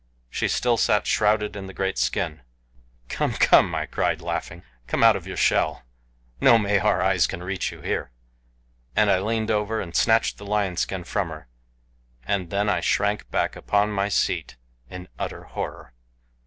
She still sat shrouded in the great skin. "Come, come," I cried, laughing, "come out of your shell. No Mahar eyes can reach you here," and I leaned over and snatched the lion skin from her. And then I shrank back upon my seat in utter horror.